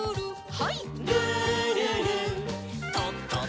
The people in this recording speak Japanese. はい。